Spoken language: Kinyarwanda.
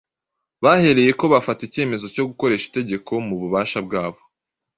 Bahereyeko bafata icyemezo cyo gukoresha itegeko mu bubasha bwabo,